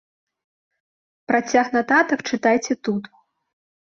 Працяг нататак чытайце тут.